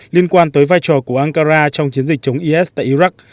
liên quan tới vai trò của ankara trong chiến dịch chống is tại iraq